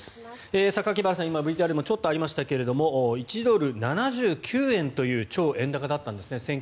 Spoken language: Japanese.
榊原さん、今ＶＴＲにもちょっとありましたが１ドル＝７９円という超円高だったんですね。